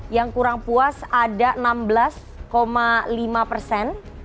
yang kurang puas ada enam belas lima persen